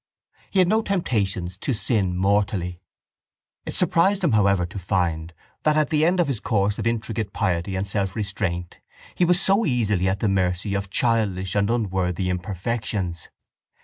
He had no temptations to sin mortally. It surprised him however to find that at the end of his course of intricate piety and selfrestraint he was so easily at the mercy of childish and unworthy imperfections.